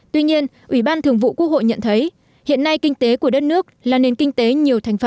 tuy nhiên ubnd nhận thấy hiện nay kinh tế của đất nước là nền kinh tế nhiều thành phần